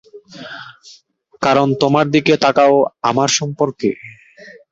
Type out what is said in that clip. কারণ তোমার দিকে তাকাও আমার সম্পর্কে?